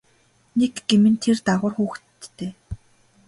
Нэг гэм нь тэр дагавар хүүхэдтэй.